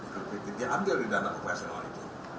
bingkisan yang diambil dari dana operasional itu